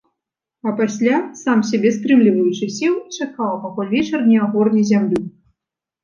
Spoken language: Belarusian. А пасля, сам сябе стрымліваючы, сеў і чакаў, пакуль вечар не агорне зямлю.